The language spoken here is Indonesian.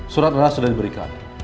surat lah sudah diberikan